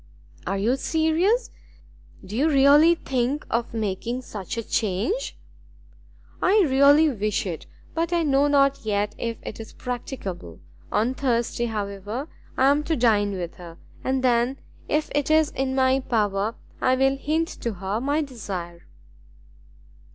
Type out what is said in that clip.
"Are you serious? Do you really think of making such a change?" "I really wish it, but I know not yet if it is practicable: on Thursday, however, I am to dine with her, and then, if it is in my power, I will hint to her my desire."